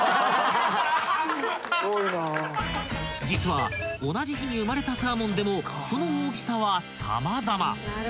［実は同じ日に生まれたサーモンでもその大きさは様々］